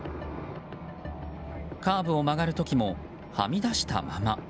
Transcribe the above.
カーブを曲がる時もはみ出したまま。